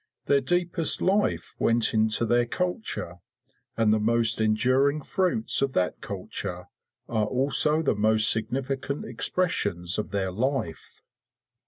Their deepest life went into their culture, and the most enduring fruits of that culture are also the most significant expressions of their life.